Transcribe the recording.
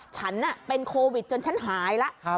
ฉันเป็นโควิดจนฉันหายแล้ว